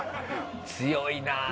強いなあ。